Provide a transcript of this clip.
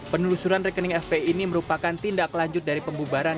penelusuran rekening fpi ini merupakan tindak lanjut dari pembubaran